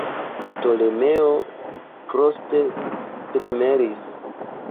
Ptolemeo froste tremeris.